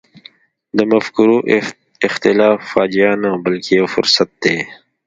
د مفکورو اختلاف فاجعه نه بلکې یو فرصت دی.